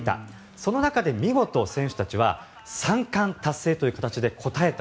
その中で見事選手たちは３冠達成という形で応えた。